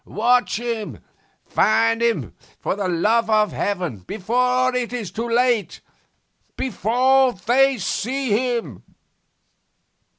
'Watch him, find him for the love of heaven before it is too late before they see him...!